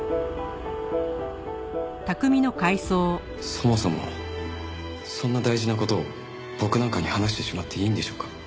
そもそもそんな大事な事を僕なんかに話してしまっていいんでしょうか？